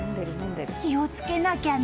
気をつけなきゃね。